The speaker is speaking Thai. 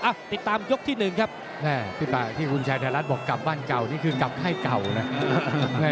ติดตามยกที่หนึ่งครับพี่ป่าที่คุณชายไทยรัฐบอกกลับบ้านเก่านี่คือกลับให้เก่านะ